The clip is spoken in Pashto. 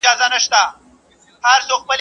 چغال ته انگور نه ور رسېده ، ول دا تروه دي.